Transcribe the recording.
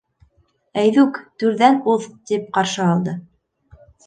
— Әйҙүк, түрҙән уҙ, — тип ҡаршы алды.